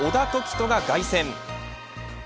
人が凱旋。